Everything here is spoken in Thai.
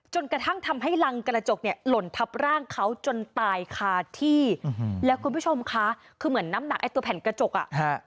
จนกระทั่งทำให้รังกระจกเนี่ยหล่นทับร่างเขาจนตายคาที่แล้วคุณผู้ชมคะคือเหมือนน้ำหนักไอ้ตัวแผ่นกระจกอ่ะฮะ